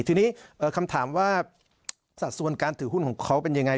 ทีนี้คำถามว่าสัดส่วนการถือหุ้นของเขาเป็นยังไง